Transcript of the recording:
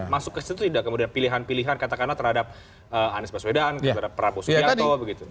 masuk ke situ tidak kemudian pilihan pilihan katakanlah terhadap anies baswedan terhadap prabowo subianto begitu